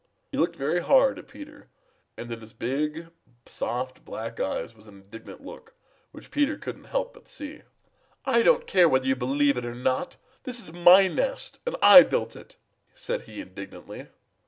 He looked very hard at Peter, and in his big, soft, black eyes was an indignant look which Peter couldn't help but see. "I don't care whether you believe it or not, this is my nest, and I built it," said he indignantly.